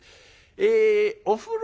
えお風呂」。